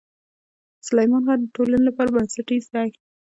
سلیمان غر د ټولنې لپاره بنسټیز دی.